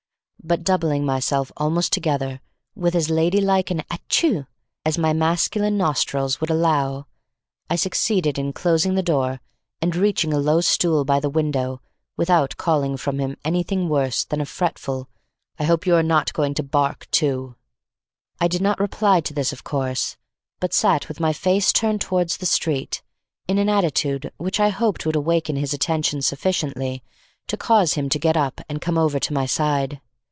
But doubling myself almost together with as ladylike an atch ee as my masculine nostrils would allow, I succeeded in closing the door and reaching a low stool by the window without calling from him anything worse than a fretful "I hope you are not going to bark too." I did not reply to this of course, but sat with my face turned towards the street in an attitude which I hoped would awaken his attention sufficiently to cause him to get up and come over to my side.